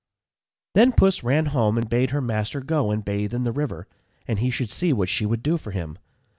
_ Then Puss ran home and bade her master go and bathe in the river, and he should see what she would do for him.